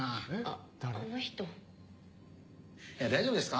大丈夫ですか？